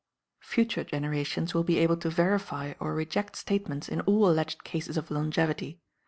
Future generations will be able to verify or reject statements in all alleged cases of longevity.